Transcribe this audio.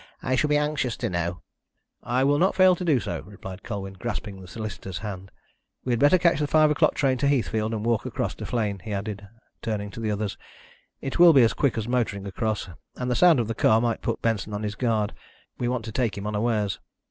I shall be anxious to know." "I will not fail to do so," replied Colwyn, grasping the solicitor's hand. "We had better catch the five o'clock train to Heathfield and walk across to Flegne," he added, turning to the others. "It will be as quick as motoring across, and the sound of the car might put Benson on his guard. We want to take him unawares."